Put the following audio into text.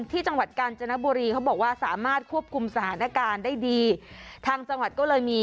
จังหวัดกาญจนบุรีเขาบอกว่าสามารถควบคุมสถานการณ์ได้ดีทางจังหวัดก็เลยมี